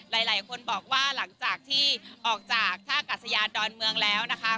หลายคนบอกว่าหลังจากที่ออกจากท่ากัศยานดอนเมืองแล้วนะคะ